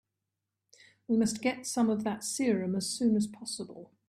We must get some of that serum as soon as possible.